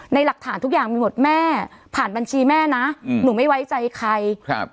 หลักฐานทุกอย่างมีหมดแม่ผ่านบัญชีแม่นะอืมหนูไม่ไว้ใจใครครับ